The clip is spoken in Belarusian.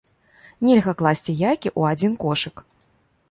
Нельга класці яйкі ў адзін кошык!